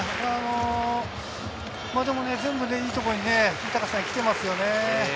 でも全部いい所に来てますよね。